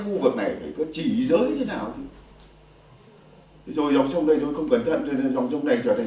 khu vực này phải có chỉ dưới như thế nào rồi dòng sông đây thôi không cẩn thận dòng sông này trở thành